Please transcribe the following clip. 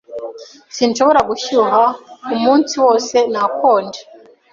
Sinshobora gushyuha. Umunsi wose nakonje.